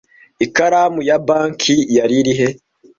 Ikaramu ya Banki yari irihe